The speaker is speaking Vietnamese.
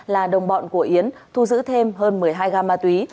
là đồng bọn của yến thu giữ thêm hơn một mươi hai gam ma túy